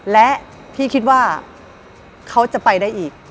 และพี่คิดว่าเขาจะไปได้อีก